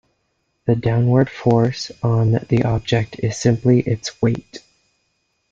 The downward force on the object is simply its weight.